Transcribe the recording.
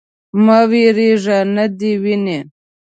_مه وېرېږه. نه دې ويني.